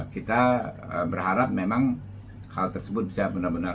kita berharap memang hal tersebut bisa benar benar